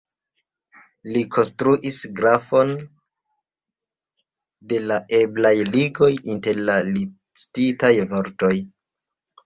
Li konstruis grafon de la eblaj ligoj inter la listitaj vortoj.